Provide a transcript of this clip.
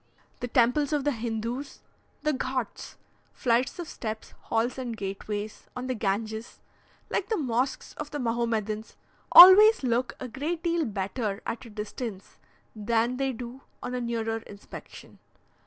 The temples of the Hindoos, the Ghauts (flights of steps, halls, and gateways) on the Ganges, like the mosques of the Mahomedans, always look a great deal better at a distance than they do on a nearer inspection.